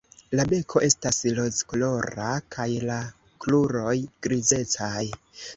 La beko estas rozkolora kaj la kruroj grizecaj.